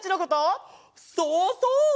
そうそう！